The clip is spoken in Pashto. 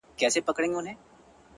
• باد را الوتی ـ له شبِ ستان دی ـ